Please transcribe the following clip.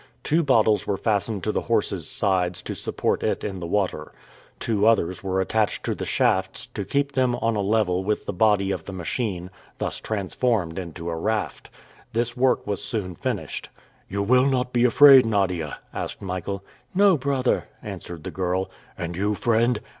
Two bottles were fastened to the horse's sides to support it in the water. Two others were attached to the shafts to keep them on a level with the body of the machine, thus transformed into a raft. This work was soon finished. "You will not be afraid, Nadia?" asked Michael. "No, brother," answered the girl. "And you, friend?"